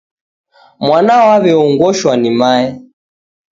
Mwana waw'eongoshwa ni mae.